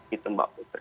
di situ mbak putri